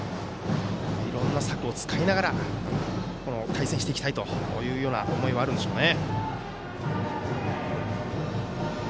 いろんな策を使いながら対戦していきたいという思いはあるでしょうね。